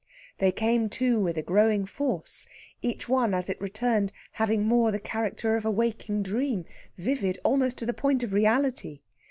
They came, too, with a growing force, each one as it returned having more the character of a waking dream, vivid almost to the point of reality.